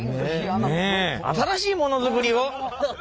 新しいものづくりをはい！